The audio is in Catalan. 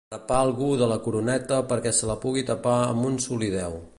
Rapar algú de la coroneta perquè se la pugui tapar amb un solideu.